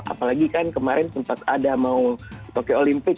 apalagi kan kemarin sempat ada mau tokyo olympic